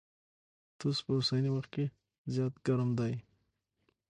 توس په اوسني وخت کي زيات ګرم دی.